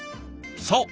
そう。